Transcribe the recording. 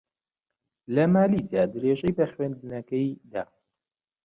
لە مالیزیا درێژەی بە خوێندنەکەی دا.